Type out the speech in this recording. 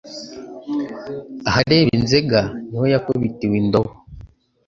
Ahareba inzega niho yakubitiwe indobo